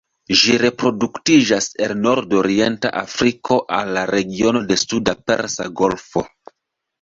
Ĝi reproduktiĝas el nordorienta Afriko al la regiono de suda Persa Golfo.